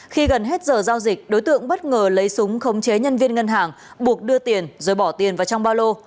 khi gần hết giờ giao dịch đối tượng bất ngờ lấy súng khống chế nhân viên ngân hàng buộc đưa tiền rồi bỏ tiền vào trong ba lô